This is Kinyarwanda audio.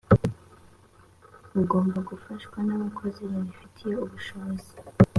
ugomba gufashwa n abakozi babifitiye ubushobozi